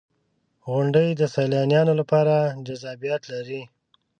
• غونډۍ د سیلانیانو لپاره جذابیت لري.